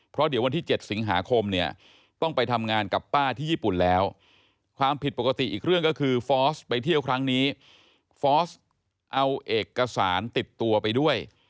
เพราะเดี๋ยววันที่๗สิงหาคมเนี่ยต้องไปทำงานกับป้าที่ญี่ปุ่นแล้วความผิดปกติอีกเรื่องก็คือฟอสไปเที่ยวครั้งนี้ฟอร์สเอาเอกสารติดตัวไปด้วย